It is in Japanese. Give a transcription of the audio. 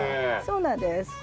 そうなんです。